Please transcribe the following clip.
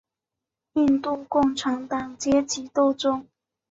印度共产党阶级斗争。